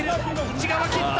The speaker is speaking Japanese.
内側切った！